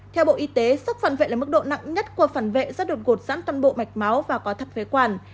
theo bộ y tế sốc phản vệ là mức độ nặng nhất của phản vệ rất đột gột dãn toàn bộ mạch máu và có thật phế quản